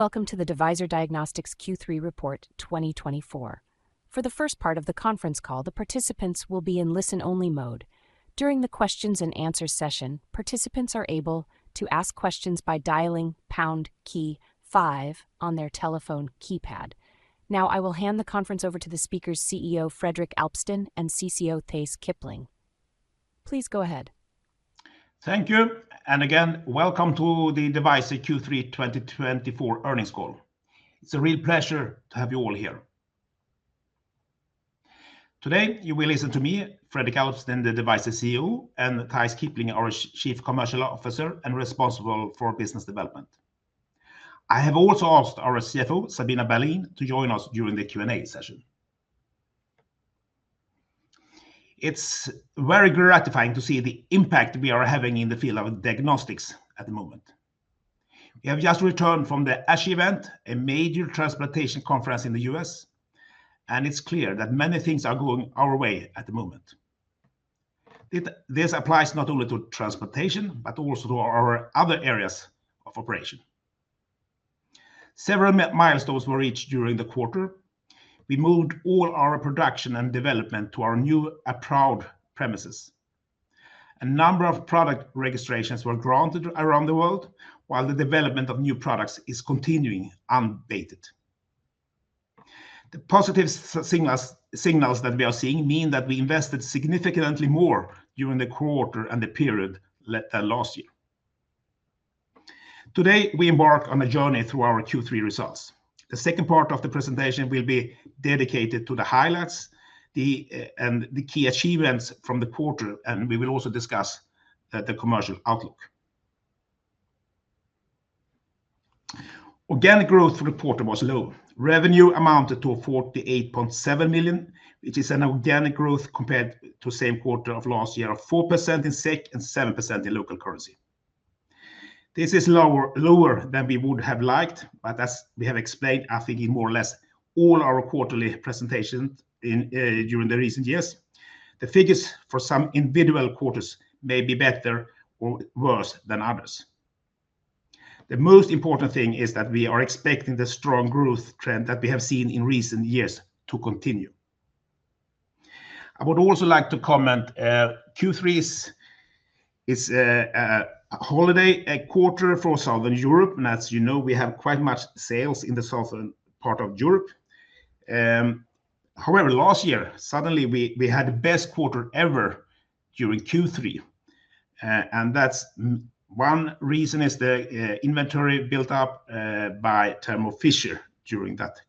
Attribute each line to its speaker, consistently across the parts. Speaker 1: Welcome to the Devyser Diagnostics Q3 report 2024. For the first part of the conference call, the participants will be in listen-only mode. During the Q&A session, participants are able to ask questions by dialing key 5 on their telephone keypad. Now, I will hand the conference over to the speakers, CEO Fredrik Alpsten and CCO Theis Kipling. Please go ahead.
Speaker 2: Thank you, and again, welcome to the Devyser Q3 2024 earnings call. It's a real pleasure to have you all here. Today, you will listen to me, Fredrik Alpsten, Devyser's CEO, and Theis Kipling, our Chief Commercial Officer and responsible for business development. I have also asked our CFO, Sabina Berlin, to join us during the Q&A session. It's very gratifying to see the impact we are having in the field of diagnostics at the moment. We have just returned from the ASHI event, a major transplantation conference in the U.S., and it's clear that many things are going our way at the moment. This applies not only to transplantation, but also to our other areas of operation. Several milestones were reached during the quarter. We moved all our production and development to our new proud premises. A number of product registrations were granted around the world, while the development of new products is continuing, unabated. The positive signals that we are seeing mean that we invested significantly more during the quarter and the period last year. Today, we embark on a journey through our Q3 results. The second part of the presentation will be dedicated to the highlights and the key achievements from the quarter, and we will also discuss the commercial outlook. Organic growth for the quarter was low. Revenue amounted to 48.7 million SEK, which is an organic growth compared to the same quarter of last year of 4% in SEK and 7% in local currency. This is lower than we would have liked, but as we have explained, I think in more or less all our quarterly presentations during the recent years, the figures for some individual quarters may be better or worse than others. The most important thing is that we are expecting the strong growth trend that we have seen in recent years to continue. I would also like to comment, Q3 is a holiday quarter for Southern Europe, and as you know, we have quite much sales in the southern part of Europe. However, last year, suddenly we had the best quarter ever during Q3, and that's one reason is the inventory built up by Thermo Fisher during that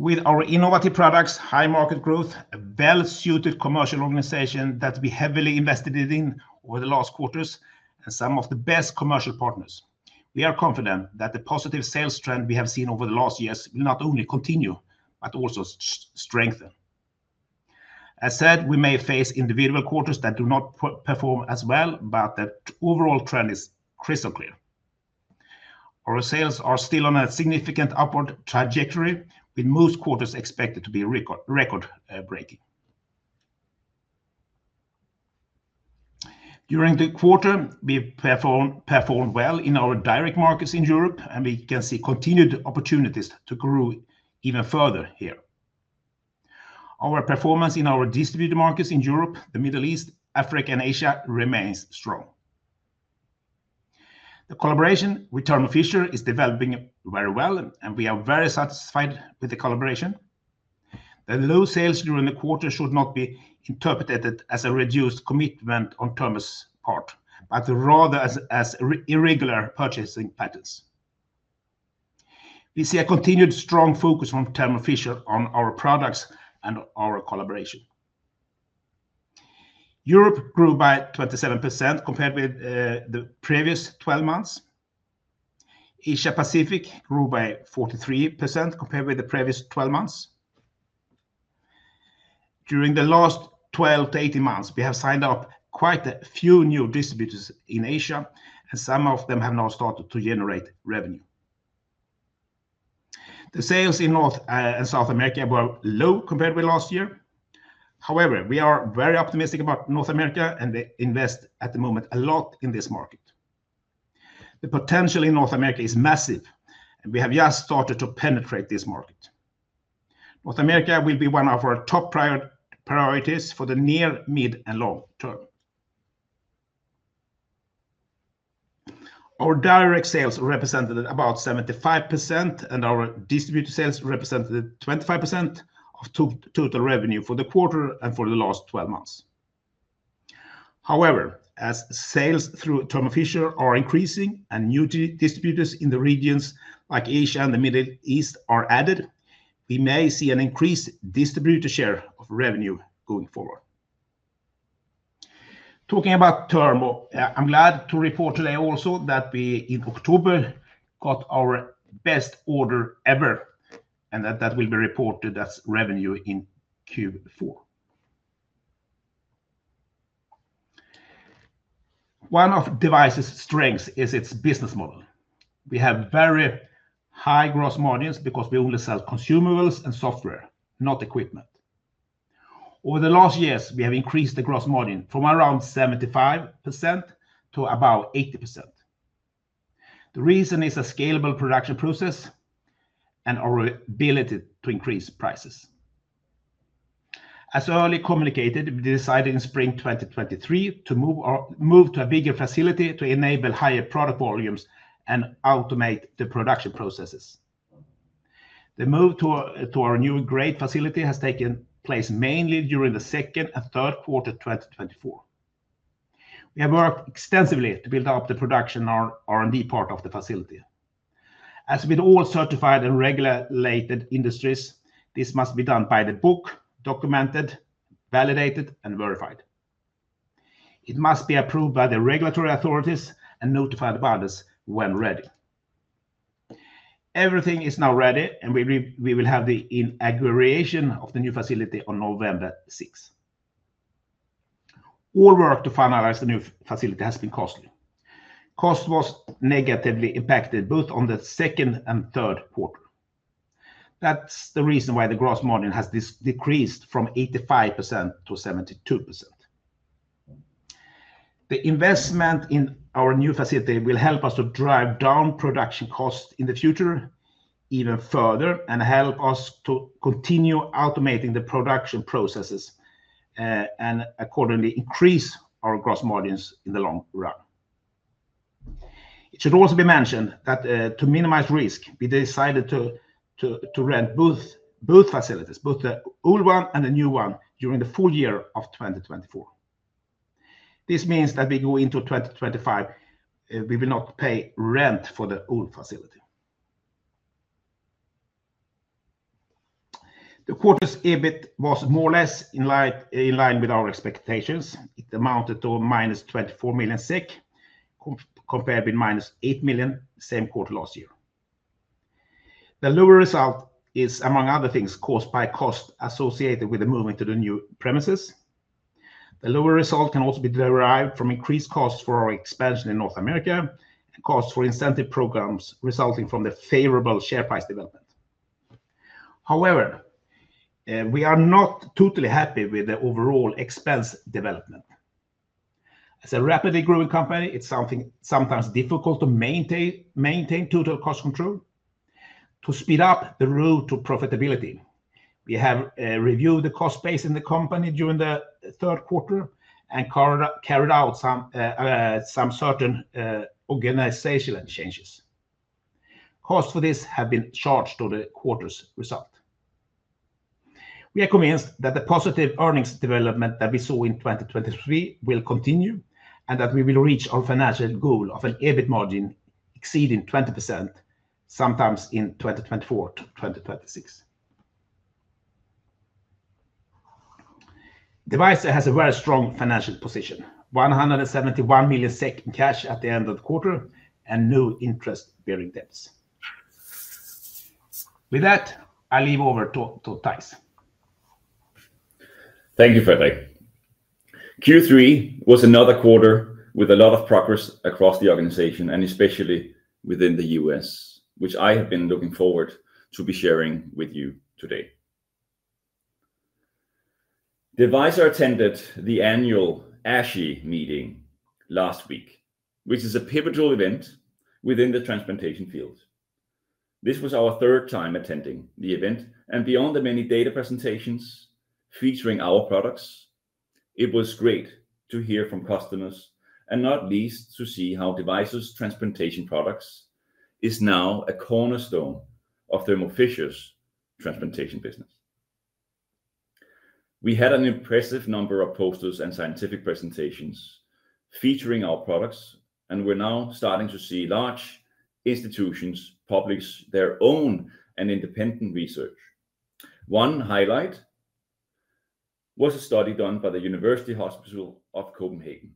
Speaker 2: quarter. With our innovative products, high market growth, a well-suited commercial organization that we heavily invested in over the last quarters, and some of the best commercial partners, we are confident that the positive sales trend we have seen over the last years will not only continue, but also strengthen. As said, we may face individual quarters that do not perform as well, but the overall trend is crystal clear. Our sales are still on a significant upward trajectory, with most quarters expected to be record-breaking. During the quarter, we performed well in our direct markets in Europe, and we can see continued opportunities to grow even further here. Our performance in our distributed markets in Europe, the Middle East, Africa, and Asia remains strong. The collaboration with Thermo Fisher is developing very well, and we are very satisfied with the collaboration. The low sales during the quarter should not be interpreted as a reduced commitment on Thermo Fisher's part, but rather as irregular purchasing patterns. We see a continued strong focus from Thermo Fisher on our products and our collaboration. Europe grew by 27% compared with the previous 12 months. Asia-Pacific grew by 43% compared with the previous 12 months. During the last 12 to 18 months, we have signed up quite a few new distributors in Asia, and some of them have now started to generate revenue. The sales in North and South America were low compared with last year. However, we are very optimistic about North America, and we invest at the moment a lot in this market. The potential in North America is massive, and we have just started to penetrate this market. North America will be one of our top priorities for the near, mid, and long term. Our direct sales represented about 75%, and our distributed sales represented 25% of total revenue for the quarter and for the last 12 months. However, as sales through Thermo Fisher are increasing and new distributors in the regions like Asia and the Middle East are added, we may see an increased distributor share of revenue going forward. Talking about Thermo, I'm glad to report today also that we in October got our best order ever, and that that will be reported as revenue in Q4. One of Devyser's strengths is its business model. We have very high gross margins because we only sell consumables and software, not equipment. Over the last years, we have increased the gross margin from around 75% to about 80%. The reason is a scalable production process and our ability to increase prices. As early communicated, we decided in spring 2023 to move to a bigger facility to enable higher product volumes and automate the production processes. The move to our new great facility has taken place mainly during the second and third quarter of 2024. We have worked extensively to build up the production and R&D part of the facility. As with all certified and regulated industries, this must be done by the book, documented, validated, and verified. It must be approved by the regulatory authorities and notified about us when ready. Everything is now ready, and we will have the inauguration of the new facility on November 6. All work to finalize the new facility has been costly. Cost was negatively impacted both on the second and third quarter. That's the reason why the gross margin has decreased from 85% to 72%. The investment in our new facility will help us to drive down production costs in the future even further and help us to continue automating the production processes and accordingly increase our gross margins in the long run. It should also be mentioned that to minimize risk, we decided to rent both facilities, both the old one and the new one, during the full year of 2024. This means that we go into 2025, we will not pay rent for the old facility. The quarter's EBIT was more or less in line with our expectations. It amounted to -24 million SEK compared with -8 million SEK same quarter last year. The lower result is, among other things, caused by cost associated with the moving to the new premises. The lower result can also be derived from increased costs for our expansion in North America and costs for incentive programs resulting from the favorable share price development. However, we are not totally happy with the overall expense development. As a rapidly growing company, it's sometimes difficult to maintain total cost control. To speed up the road to profitability, we have reviewed the cost base in the company during the third quarter and carried out some certain organizational changes. Costs for this have been charged to the quarter's result. We are convinced that the positive earnings development that we saw in 2023 will continue and that we will reach our financial goal of an EBIT margin exceeding 20% sometime in 2024-2026. Devyser has a very strong financial position, 171 million SEK in cash at the end of the quarter and no interest-bearing debts. With that, I leave over to Theis.
Speaker 3: Thank you, Fredrik. Q3 was another quarter with a lot of progress across the organization, and especially within the U.S., which I have been looking forward to be sharing with you today. Devyser attended the annual ASHI meeting last week, which is a pivotal event within the transplantation field. This was our third time attending the event, and beyond the many data presentations featuring our products, it was great to hear from customers, and not least to see how Devyser's transplantation products is now a cornerstone of Thermo Fisher's transplantation business. We had an impressive number of posters and scientific presentations featuring our products, and we're now starting to see large institutions publish their own and independent research. One highlight was a study done by the University Hospital of Copenhagen,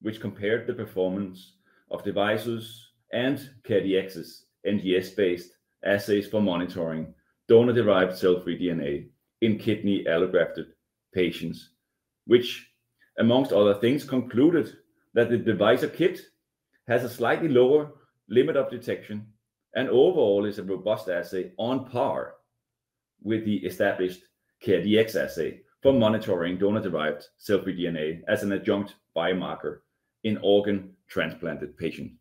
Speaker 3: which compared the performance of Devyser's and CareDx's NGS-based assays for monitoring donor-derived cell-free DNA in kidney allografted patients, which, among other things, concluded that the Devyser kit has a slightly lower limit of detection and overall is a robust assay on par with the established CareDx assay for monitoring donor-derived cell-free DNA as an adjunct biomarker in organ transplanted patients.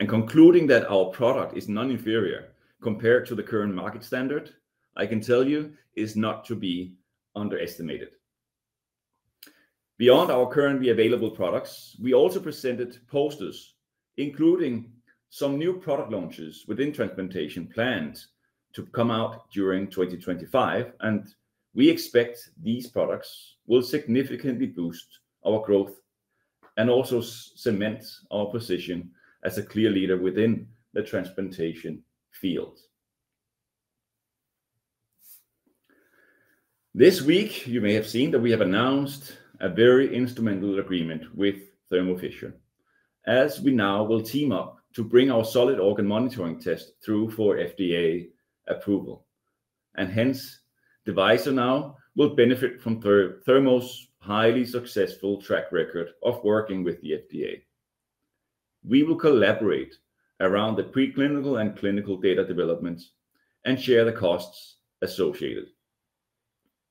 Speaker 3: And concluding that our product is non-inferior compared to the current market standard, I can tell you is not to be underestimated. Beyond our currently available products, we also presented posters, including some new product launches within transplantation planned to come out during 2025, and we expect these products will significantly boost our growth and also cement our position as a clear leader within the transplantation field. This week, you may have seen that we have announced a very instrumental agreement with Thermo Fisher, as we now will team up to bring our solid organ monitoring test through for FDA approval, and hence Devyser now will benefit from Thermo's highly successful track record of working with the FDA. We will collaborate around the preclinical and clinical data developments and share the costs associated.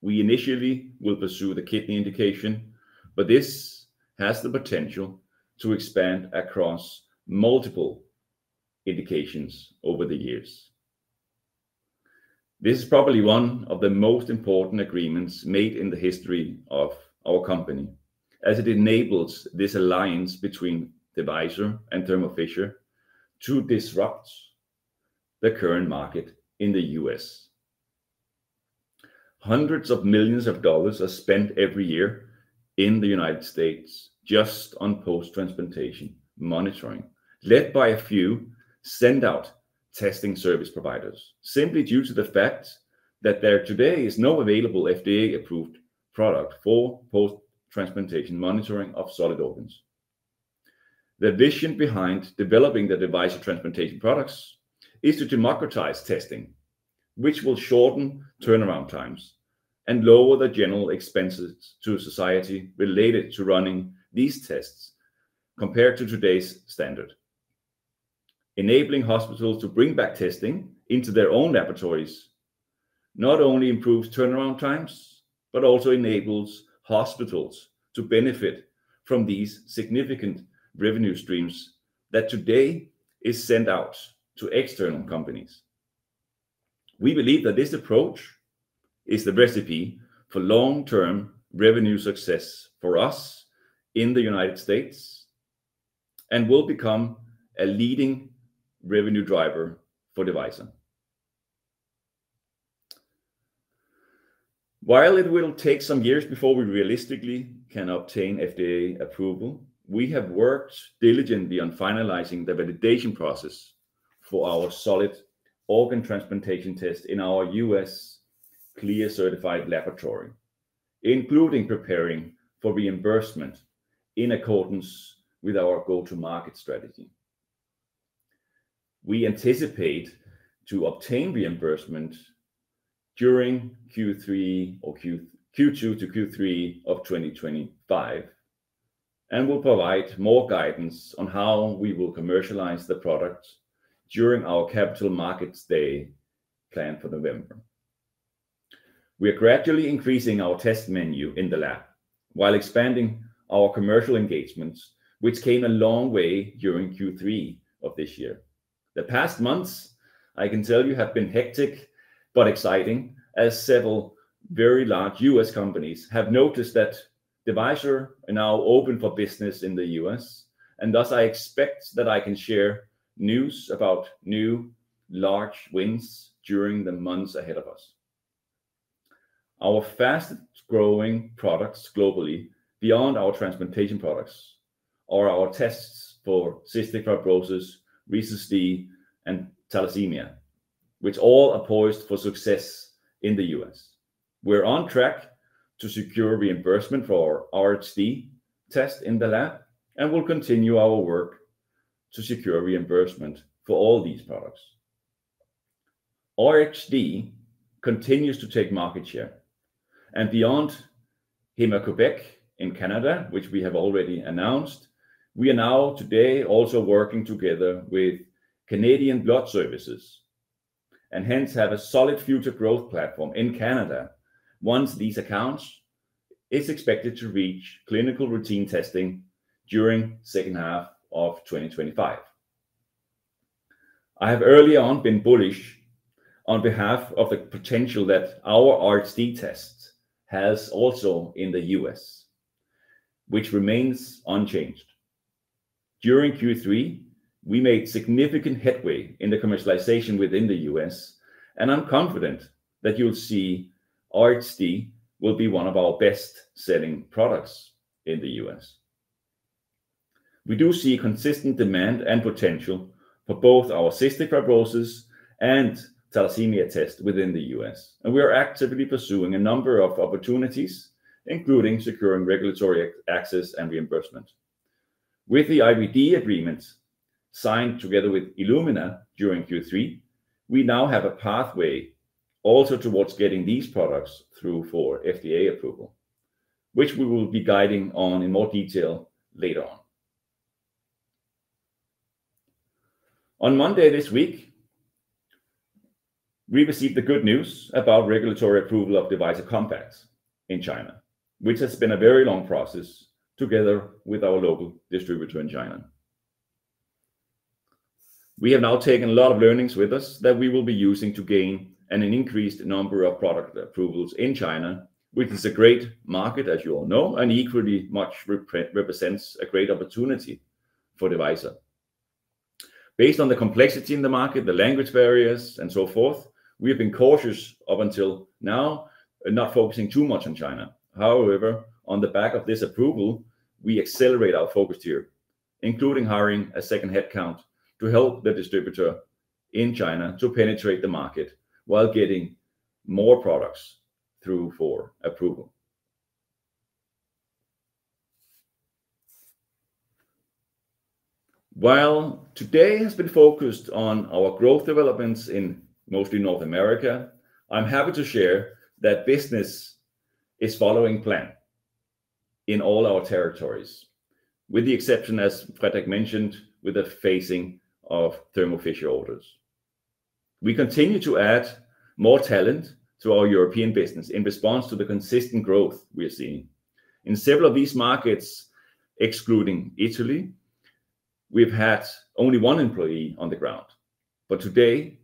Speaker 3: We initially will pursue the kidney indication, but this has the potential to expand across multiple indications over the years. This is probably one of the most important agreements made in the history of our company, as it enables this alliance between Devyser and Thermo Fisher to disrupt the current market in the U.S. Hundreds of millions of dollars are spent every year in the United States just on post-transplantation monitoring, led by a few send-out testing service providers, simply due to the fact that there today is no available FDA-approved product for post-transplantation monitoring of solid organs. The vision behind developing the Devyser transplantation products is to democratize testing, which will shorten turnaround times and lower the general expenses to society related to running these tests compared to today's standard. Enabling hospitals to bring back testing into their own laboratories not only improves turnaround times, but also enables hospitals to benefit from these significant revenue streams that today is sent out to external companies. We believe that this approach is the recipe for long-term revenue success for us in the United States and will become a leading revenue driver for Devyser. While it will take some years before we realistically can obtain FDA approval, we have worked diligently on finalizing the validation process for our solid organ transplantation test in our U.S. CLIA-certified laboratory, including preparing for reimbursement in accordance with our go-to-market strategy. We anticipate to obtain reimbursement during Q2-Q3 of 2025 and will provide more guidance on how we will commercialize the product during our Capital Markets Day planned for November. We are gradually increasing our test menu in the lab while expanding our commercial engagements, which came a long way during Q3 of this year. The past months, I can tell you, have been hectic but exciting, as several very large U.S. companies have noticed that Devyser are now open for business in the U.S., and thus I expect that I can share news about new large wins during the months ahead of us. Our fastest-growing products globally, beyond our transplantation products, are our tests for cystic fibrosis, RHD, and thalassemia, which all are poised for success in the U.S. We're on track to secure reimbursement for RHD tests in the lab and will continue our work to secure reimbursement for all these products. RHD continues to take market share, and beyond Héma-Québec in Canada, which we have already announced, we are now today also working together with Canadian Blood Services and hence have a solid future growth platform in Canada once these accounts are expected to reach clinical routine testing during the second half of 2025. I have early on been bullish on the potential that our RHD tests have also in the U.S., which remains unchanged. During Q3, we made significant headway in the commercialization within the U.S., and I'm confident that you'll see RHD will be one of our best-selling products in the U.S. We do see consistent demand and potential for both our cystic fibrosis and thalassemia tests within the U.S., and we are actively pursuing a number of opportunities, including securing regulatory access and reimbursement. With the IVD agreement signed together with Illumina during Q3, we now have a pathway also towards getting these products through for FDA approval, which we will be guiding on in more detail later on. On Monday this week, we received the good news about regulatory approval of Devyser Compact in China, which has been a very long process together with our local distributor in China. We have now taken a lot of learnings with us that we will be using to gain an increased number of product approvals in China, which is a great market, as you all know, and equally much represents a great opportunity for Devyser. Based on the complexity in the market, the language barriers, and so forth, we have been cautious up until now and not focusing too much on China. However, on the back of this approval, we accelerate our focus here, including hiring a second headcount to help the distributor in China to penetrate the market while getting more products through for approval. While today has been focused on our growth developments in mostly North America, I'm happy to share that business is following plan in all our territories, with the exception, as Fredrik mentioned, with the phasing of Thermo Fisher orders. We continue to add more talent to our European business in response to the consistent growth we are seeing. In several of these markets, excluding Italy, we've had only one employee on the ground, but today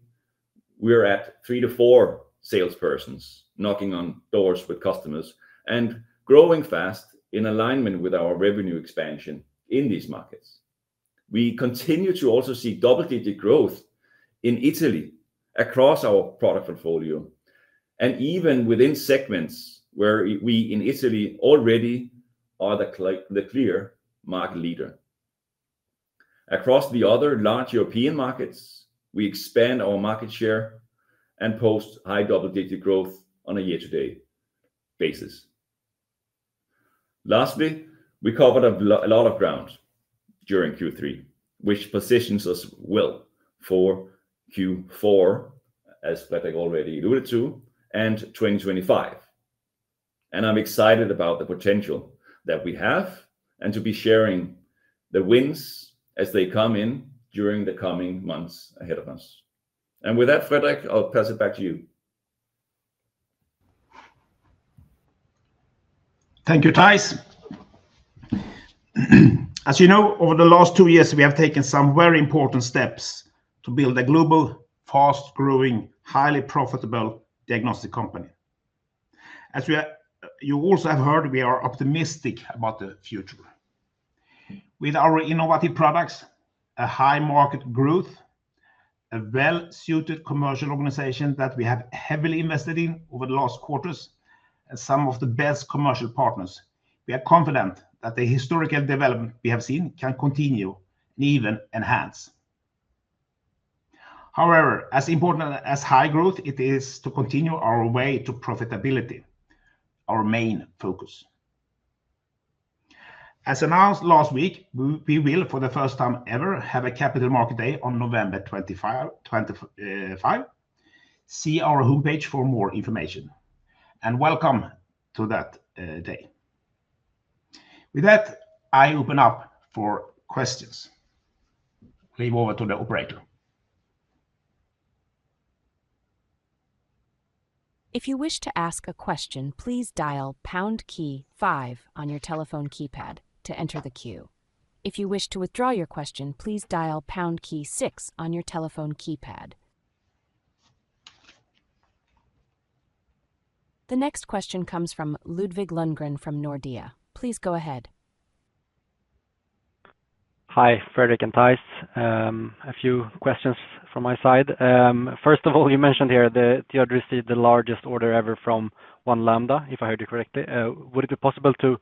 Speaker 3: we are at three to four salespersons knocking on doors with customers and growing fast in alignment with our revenue expansion in these markets. We continue to also see double-digit growth in Italy across our product portfolio and even within segments where we in Italy already are the clear market leader. Across the other large European markets, we expand our market share and post high double-digit growth on a year-to-date basis. Lastly, we covered a lot of ground during Q3, which positions us well for Q4, as Fredrik already alluded to, and 2025. I'm excited about the potential that we have and to be sharing the wins as they come in during the coming months ahead of us. With that, Fredrik, I'll pass it back to you.
Speaker 2: Thank you, Theis. As you know, over the last two years, we have taken some very important steps to build a global, fast-growing, highly profitable diagnostic company. As you also have heard, we are optimistic about the future. With our innovative products, a high market growth, a well-suited commercial organization that we have heavily invested in over the last quarters, and some of the best commercial partners, we are confident that the historical development we have seen can continue and even enhance. However, as important as high growth, it is to continue our way to profitability, our main focus. As announced last week, we will, for the first time ever, have a Capital Markets Day on November 25. See our homepage for more information, and welcome to that day. With that, I open up for questions. Hand over to the operator.
Speaker 1: If you wish to ask a question, please dial pound key five on your telephone keypad to enter the queue. If you wish to withdraw your question, please dial pound key six on your telephone keypad. The next question comes from Ludwig Lundgren from Nordea. Please go ahead.
Speaker 4: Hi, Fredrik and Theis. A few questions from my side. First of all, you mentioned here that you had received the largest order ever from One Lambda, if I heard you correctly. Would it be possible to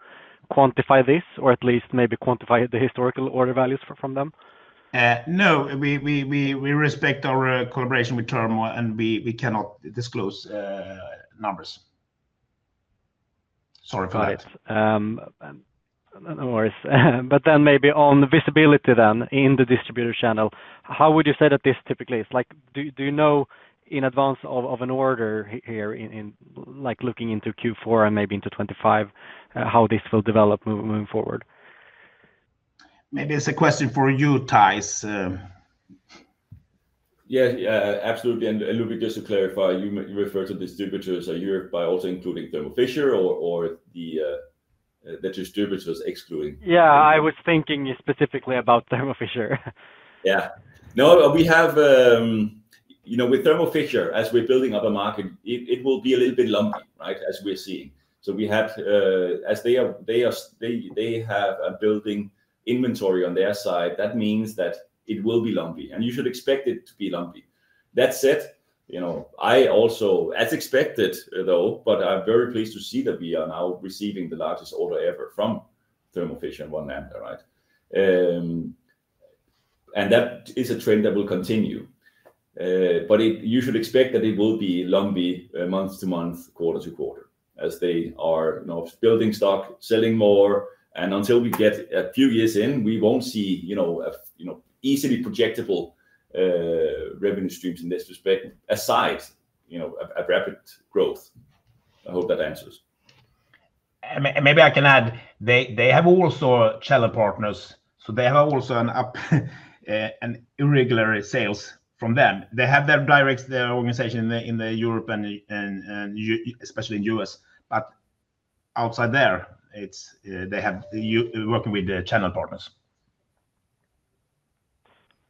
Speaker 4: quantify this, or at least maybe quantify the historical order values from them?
Speaker 2: No, we respect our collaboration with Thermo, and we cannot disclose numbers. Sorry for that.
Speaker 4: All right. No worries, but then maybe on visibility then in the distributor channel, how would you say that this typically is? Do you know in advance of an order here, like looking into Q4 and maybe into 2025, how this will develop moving forward?
Speaker 2: Maybe it's a question for you, Theis.
Speaker 3: Yeah, absolutely. And Ludwig, just to clarify, you refer to distributors per year by also including Thermo Fisher or the distributors excluding?
Speaker 4: Yeah, I was thinking specifically about Thermo Fisher.
Speaker 3: Yeah. No, we have with Thermo Fisher, as we're building up a market, it will be a little bit lumpy, right, as we're seeing. So we have, as they have a building inventory on their side, that means that it will be lumpy, and you should expect it to be lumpy. That said, I also, as expected though, but I'm very pleased to see that we are now receiving the largest order ever from Thermo Fisher and One Lambda, right? And that is a trend that will continue. But you should expect that it will be lumpy month to month, quarter to quarter, as they are building stock, selling more. And until we get a few years in, we won't see easily projectable revenue streams in this respect, aside from rapid growth. I hope that answers.
Speaker 2: Maybe I can add, they have also channel partners, so they have also an indirect sales from them. They have their direct organization in Europe and especially in the U.S., but outside there, they work with the channel partners.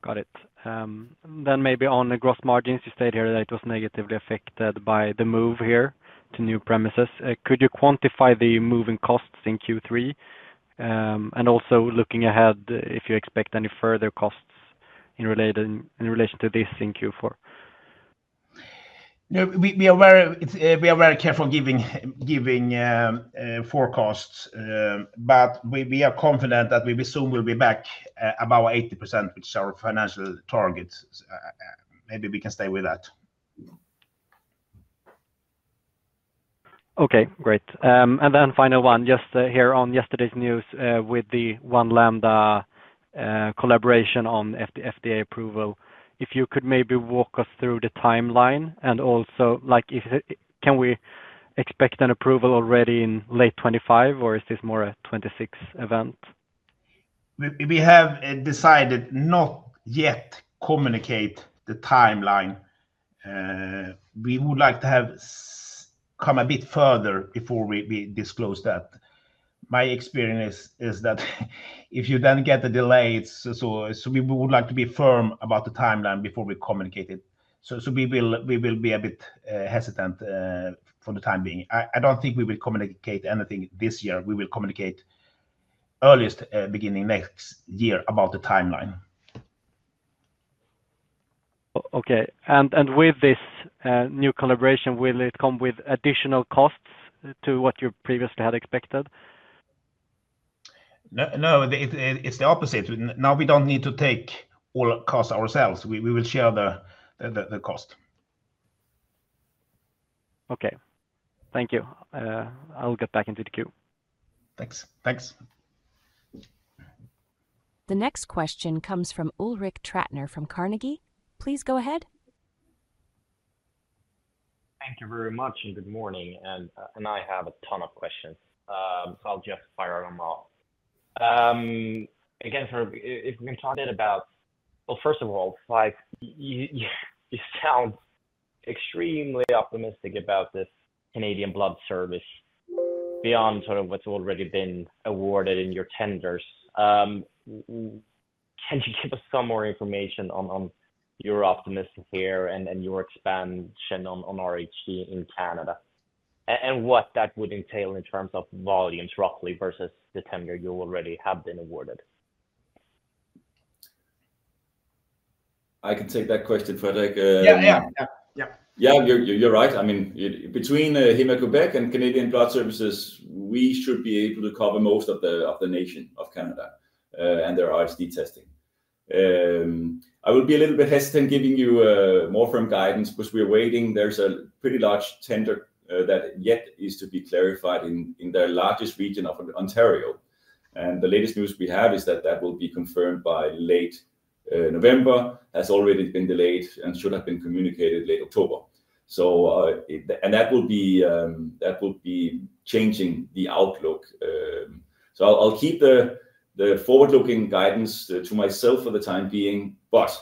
Speaker 4: Got it. Then maybe on the gross margins, you said here that it was negatively affected by the move here to new premises. Could you quantify the moving costs in Q3? And also looking ahead, if you expect any further costs in relation to this in Q4?
Speaker 2: We are very careful giving forecasts, but we are confident that we soon will be back above 80%, which is our financial target. Maybe we can stay with that.
Speaker 4: Okay, great. And then final one, just here on yesterday's news with the One Lambda collaboration on FDA approval. If you could maybe walk us through the timeline, and also, can we expect an approval already in late 2025, or is this more a 2026 event?
Speaker 2: We have decided not yet to communicate the timeline. We would like to have come a bit further before we disclose that. My experience is that if you then get a delay, so we would like to be firm about the timeline before we communicate it. So we will be a bit hesitant for the time being. I don't think we will communicate anything this year. We will communicate earliest beginning next year about the timeline.
Speaker 4: Okay. And with this new collaboration, will it come with additional costs to what you previously had expected?
Speaker 2: No, it's the opposite. Now we don't need to take all costs ourselves. We will share the cost.
Speaker 4: Okay. Thank you. I'll get back into the queue.
Speaker 2: Thanks. Thanks.
Speaker 1: The next question comes from Ulrik Trattner from Carnegie. Please go ahead.
Speaker 5: Thank you very much and good morning. I have a ton of questions, so I'll just fire them off. Again, if we can talk a bit about, well, first of all, you sound extremely optimistic about this Canadian Blood Services beyond sort of what's already been awarded in your tenders. Can you give us some more information on your optimism here and your expansion on RHD in Canada and what that would entail in terms of volumes roughly versus the tender you already have been awarded?
Speaker 3: I can take that question, Fredrik.
Speaker 2: Yeah, yeah, yeah.
Speaker 3: Yeah, you're right. I mean, between Héma-Québec and Canadian Blood Services, we should be able to cover most of the nation of Canada and their RHD testing. I will be a little bit hesitant giving you more firm guidance because we're waiting. There's a pretty large tender that yet is to be clarified in their largest region of Ontario. And the latest news we have is that that will be confirmed by late November, has already been delayed and should have been communicated late October. And that will be changing the outlook. So I'll keep the forward-looking guidance to myself for the time being. But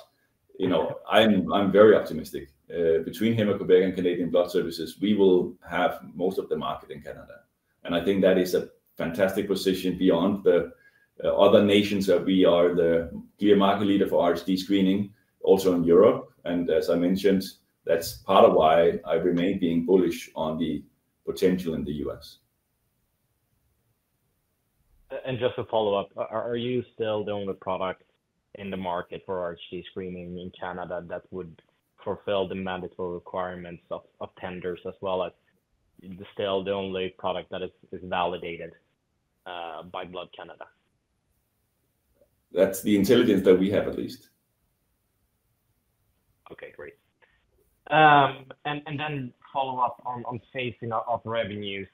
Speaker 3: I'm very optimistic. Between Héma-Québec and Canadian Blood Services, we will have most of the market in Canada. And I think that is a fantastic position beyond the other nations that we are the clear market leader for RHD screening also in Europe. As I mentioned, that's part of why I remain being bullish on the potential in the U.S.
Speaker 5: And just to follow up, are you still the only product in the market for RHD screening in Canada that would fulfill the mandatory requirements of tenders as well as still the only product that is validated by Canadian Blood Services?
Speaker 3: That's the intelligence that we have at least.
Speaker 5: Okay, great. And then follow up on phasing of revenues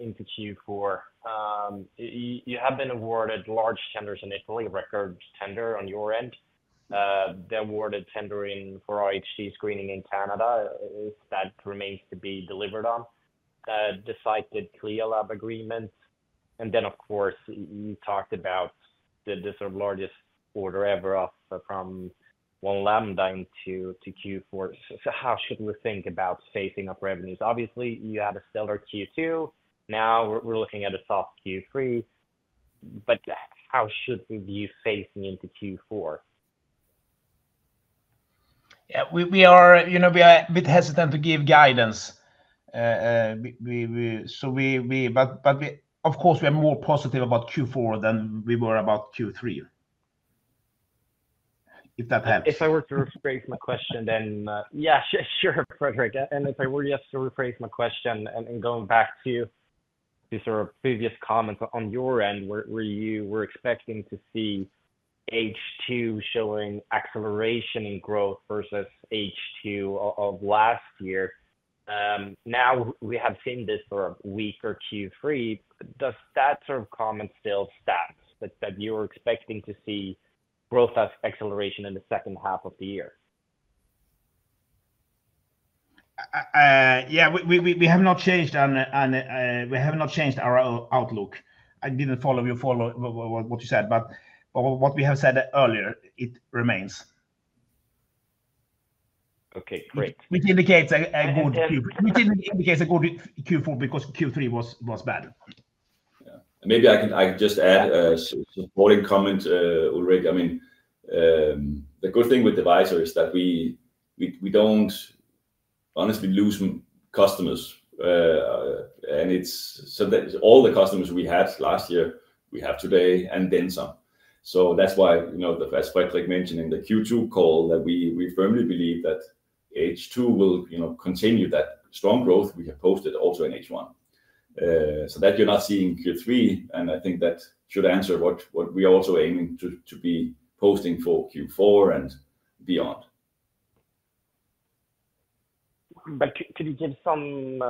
Speaker 5: into Q4. You have been awarded large tenders in Italy, record tender on your end. The awarded tender for RHD screening in Canada, that remains to be delivered on, the Cyted CLIA lab agreement. And then, of course, you talked about the sort of largest order ever from One Lambda into Q4. So how should we think about phasing up revenues? Obviously, you had a stellar Q2. Now we're looking at a soft Q3. But how should we view phasing into Q4?
Speaker 2: Yeah, we are a bit hesitant to give guidance. But of course, we are more positive about Q4 than we were about Q3, if that helps.
Speaker 5: If I were to rephrase my question then,
Speaker 2: yeah, sure, Ulrik,
Speaker 5: and if I were just to rephrase my question and going back to sort of previous comments on your end, where you were expecting to see H2 showing acceleration in growth versus H2 of last year. Now we have seen this for a week or Q3. Does that sort of comment still stand that you're expecting to see growth acceleration in the second half of the year?
Speaker 2: Yeah, we have not changed and we have not changed our outlook. I didn't follow your follow what you said, but what we have said earlier. It remains.
Speaker 5: Okay, great.
Speaker 2: Which indicates a good Q4 because Q3 was bad.
Speaker 3: Yeah. Maybe I could just add a supporting comment, Ulrik. I mean, the good thing with Devyser is that we don't honestly lose customers. And it's all the customers we had last year, we have today, and then some. So that's why, as Fredrik mentioned in the Q2 call, that we firmly believe that H2 will continue that strong growth we have posted also in H1. So that you're not seeing Q3, and I think that should answer what we are also aiming to be posting for Q4 and beyond.
Speaker 5: But could you give some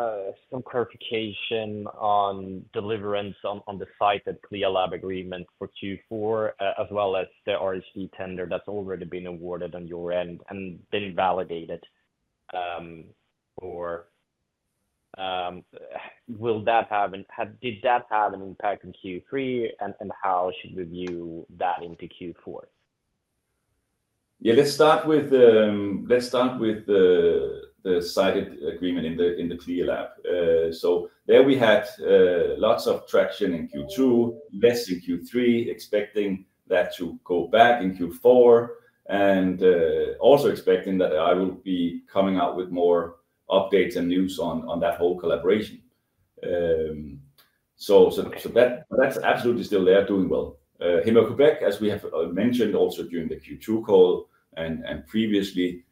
Speaker 5: clarification on delivery on the Cyted CLIA lab agreement for Q4, as well as the RHD tender that's already been awarded on your end and been validated? Or will that have an impact in Q3, and how should we view that into Q4?
Speaker 3: Yeah, let's start with the Cyted agreement in the CLIA lab. So there we had lots of traction in Q2, less in Q3, expecting that to go back in Q4, and also expecting that I will be coming out with more updates and news on that whole collaboration. So that's absolutely still there doing well. Héma-Québec, as we have mentioned also during the Q2 call and previously,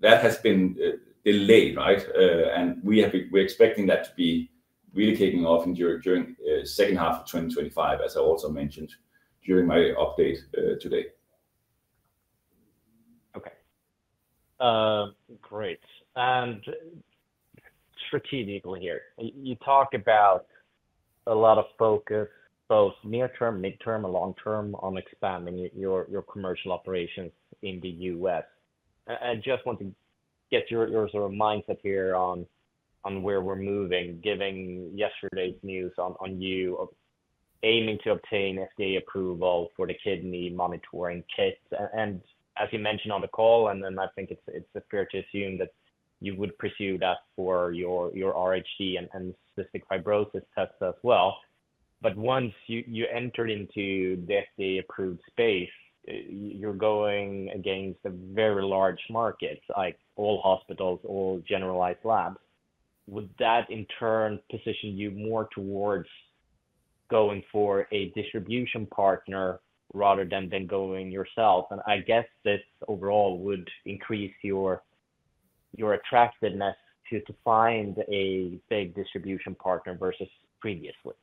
Speaker 3: that has been delayed, right? And we're expecting that to be really kicking off during the second half of 2025, as I also mentioned during my update today.
Speaker 5: Okay. Great. And strategically here, you talk about a lot of focus, both near-term, mid-term, and long-term on expanding your commercial operations in the U.S. I just want to get your sort of mindset here on where we're moving, given yesterday's news on you aiming to obtain FDA approval for the kidney monitoring kits. And as you mentioned on the call, and then I think it's fair to assume that you would pursue that for your RHD and Cystic Fibrosis tests as well. But once you entered into the FDA-approved space, you're going against a very large market, like all hospitals, all generalized labs. Would that in turn position you more towards going for a distribution partner rather than going yourself? And I guess this overall would increase your attractiveness to find a big distribution partner versus previously.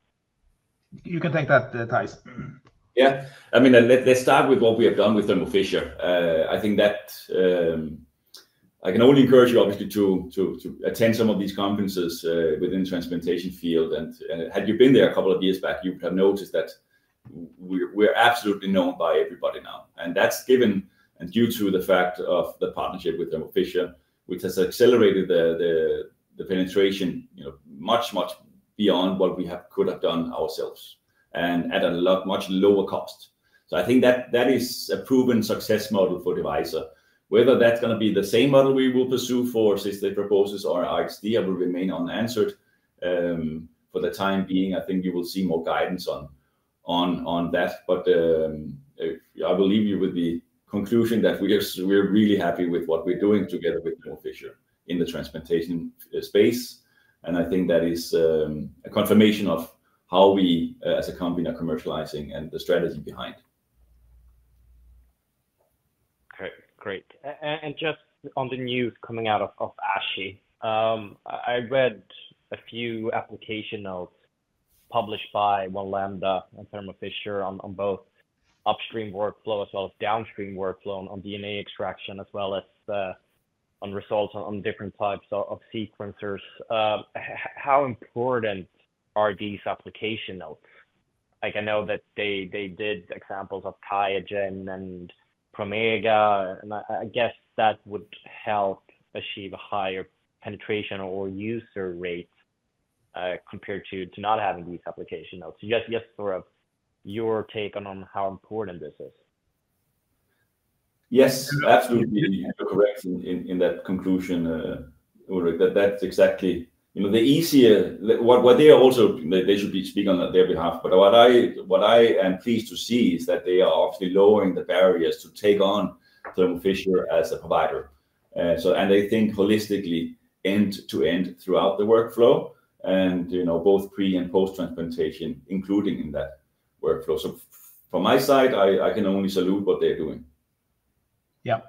Speaker 2: You can take that, Theis.
Speaker 3: Yeah. I mean, let's start with what we have done with Thermo Fisher. I think that I can only encourage you, obviously, to attend some of these conferences within the transplantation field, and had you been there a couple of years back, you would have noticed that we're absolutely known by everybody now, and that's given and due to the fact of the partnership with Thermo Fisher, which has accelerated the penetration much, much beyond what we could have done ourselves and at a much lower cost, so I think that is a proven success model for Devyser. Whether that's going to be the same model we will pursue for cystic fibrosis or RHD, I will remain unanswered. For the time being, I think you will see more guidance on that. But I will leave you with the conclusion that we're really happy with what we're doing together with Thermo Fisher in the transplantation space. And I think that is a confirmation of how we, as a company, are commercializing and the strategy behind.
Speaker 5: Okay, great. And just on the news coming out of ASHI, I read a few application notes published by One Lambda and Thermo Fisher on both upstream workflow as well as downstream workflow on DNA extraction as well as on results on different types of sequencers. How important are these application notes? I know that they did examples of Qiagen and Promega. And I guess that would help achieve a higher penetration or user rate compared to not having these application notes. Just sort of your take on how important this is.
Speaker 3: Yes, absolutely. You're correct in that conclusion, Ulrik. That's exactly the issue. What they are also, they should be speaking on their behalf. But what I am pleased to see is that they are obviously lowering the barriers to take on Thermo Fisher as a provider. And they think holistically, end-to-end throughout the workflow, and both pre and post-transplantation, including in that workflow. So from my side, I can only salute what they're doing.
Speaker 2: Yeah.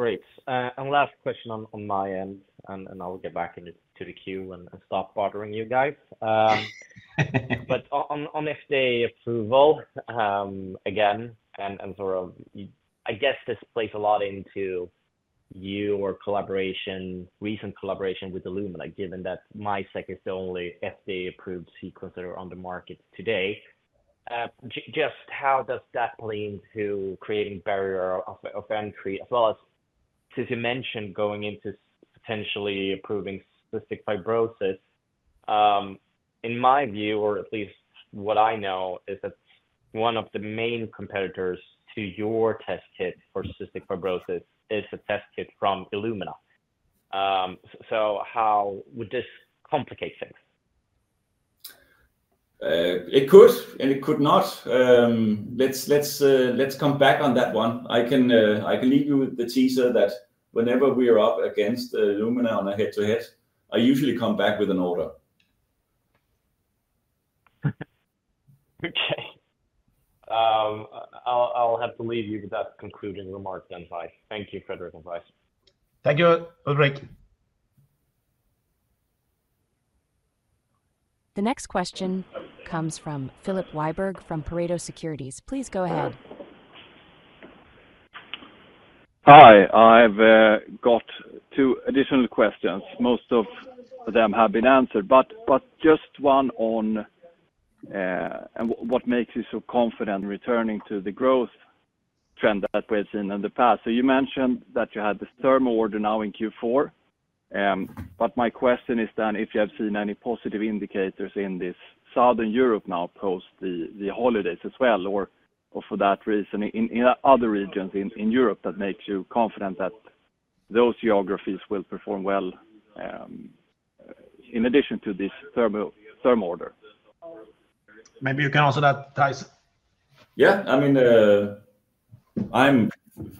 Speaker 5: Great. And last question on my end, and I'll get back into the queue and stop bothering you guys. But on FDA approval, again, and sort of I guess this plays a lot into your recent collaboration with Illumina, given that MiSeq is the only FDA-approved sequencer on the market today. Just how does that play into creating a barrier of entry, as well as, as you mentioned, going into potentially approving cystic fibrosis? In my view, or at least what I know, is that one of the main competitors to your test kit for cystic fibrosis is a test kit from Illumina. So how would this complicate things?
Speaker 3: It could, and it could not. Let's come back on that one. I can leave you with the teaser that whenever we are up against Illumina on a head-to-head, I usually come back with an order.
Speaker 5: Okay. I'll have to leave you with that concluding remark then, Theis. Thank you, Fredrik, and Theis.
Speaker 2: Thank you, Ulrik.
Speaker 1: The next question comes from Filip Wiberg from Pareto Securities. Please go ahead.
Speaker 6: Hi. I've got two additional questions. Most of them have been answered, but just one on what makes you so confident in returning to the growth trend that we've seen in the past. So you mentioned that you had this third order now in Q4. But my question is then if you have seen any positive indicators in this Southern Europe now post the holidays as well, or for that reason in other regions in Europe that makes you confident that those geographies will perform well in addition to this third order?
Speaker 2: Maybe you can answer that, Theis.
Speaker 3: Yeah. I mean, I'm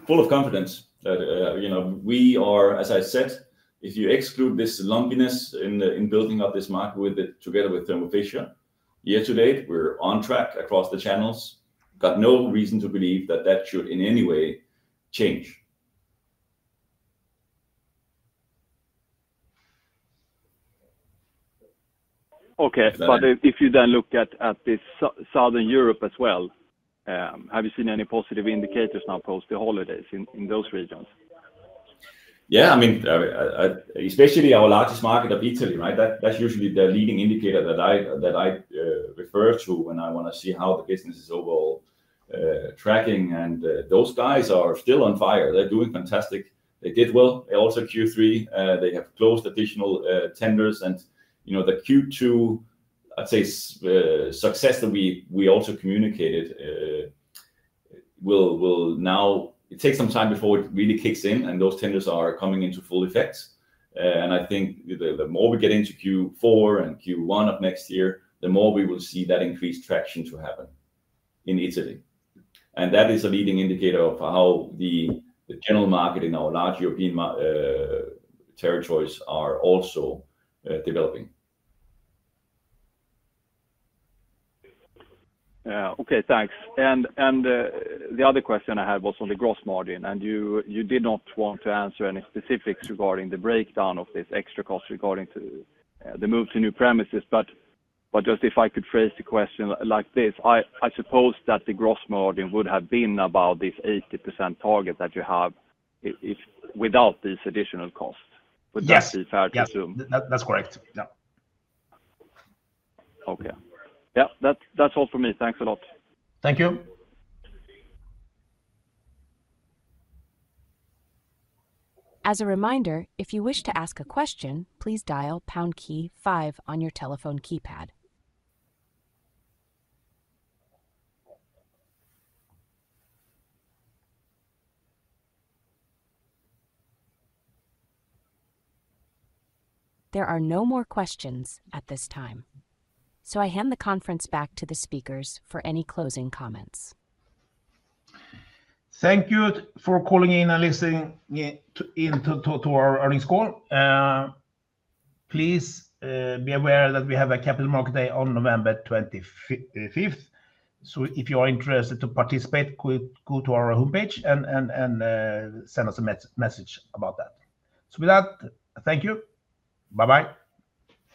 Speaker 3: full of confidence that we are, as I said, if you exclude this lumpiness in building up this market together with Thermo Fisher, year to date, we're on track across the channels. Got no reason to believe that that should in any way change.
Speaker 6: Okay. But if you then look at this Southern Europe as well, have you seen any positive indicators now post the holidays in those regions?
Speaker 3: Yeah. I mean, especially our largest market of Italy, right? That's usually the leading indicator that I refer to when I want to see how the business is overall tracking. And those guys are still on fire. They're doing fantastic. They did well also Q3. They have closed additional tenders. And the Q2, I'd say, success that we also communicated will now take some time before it really kicks in, and those tenders are coming into full effect. And I think the more we get into Q4 and Q1 of next year, the more we will see that increased traction to happen in Italy. And that is a leading indicator of how the general market in our large European territories are also developing.
Speaker 6: Okay, thanks. And the other question I had was on the gross margin. And you did not want to answer any specifics regarding the breakdown of this extra cost regarding the move to new premises. But just if I could phrase the question like this, I suppose that the gross margin would have been about this 80% target that you have without these additional costs. Would that be fair to assume?
Speaker 2: Yes. That's correct. Yeah.
Speaker 6: Okay. Yeah. That's all for me. Thanks a lot.
Speaker 2: Thank you.
Speaker 1: As a reminder, if you wish to ask a question, please dial pound key five on your telephone keypad. There are no more questions at this time. So I hand the conference back to the speakers for any closing comments.
Speaker 2: Thank you for calling in and listening in to our earnings call. Please be aware that we have a Capital Markets Day on November 25th. So if you are interested to participate, go to our homepage and send us a message about that. So with that, thank you. Bye-bye.